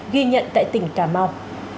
ghi nhận tại tỉnh cà mau